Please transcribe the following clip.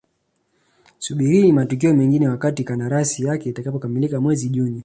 Subirini matukio mengine wakati kandarasi yake itakapokamilika mwezi Juni